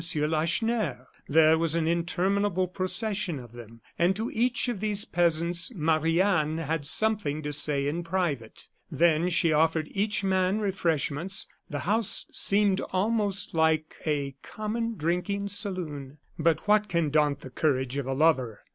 Lacheneur. There was an interminable procession of them. And to each of these peasants Marie Anne had something to say in private. Then she offered each man refreshments the house seemed almost like a common drinking saloon. But what can daunt the courage of a lover?